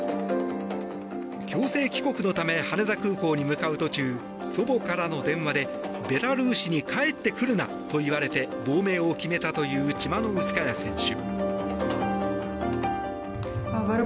強制帰国のため羽田空港に向かう途中祖母からの電話でベラルーシに帰ってくるなと言われて亡命を決めたというチマノウスカヤ選手。